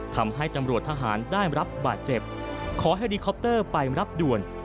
ทำให้ตำรวจทหารได้รับบาดเจ็บขอเฮลีคอปเตอร์ไปรับด่วน